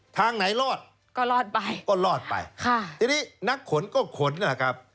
ทางไหนลอดก็ลอดไปค่ะจริงนักขนก็ขนนะครับ